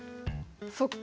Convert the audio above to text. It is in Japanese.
そっか。